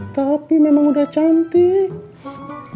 tapi memang udah cantik